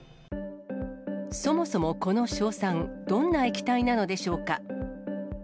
そもそもこの硝酸、どんな液体なのでしょうか。